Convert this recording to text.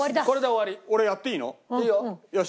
俺やっていいの？よし。